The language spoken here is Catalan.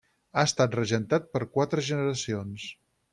Ha estat regentat per quatre generacions.